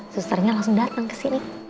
susternya langsung dateng kesini